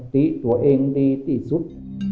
ตี้ตัวเองดีตี้สุด